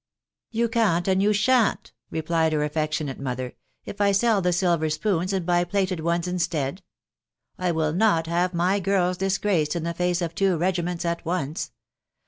" You can't and you shan't," replied her affectionate mother, " if I sell the silver spoons and buy plated ones instead. .... I will not have my girls disgraced in the face of two regiments At once.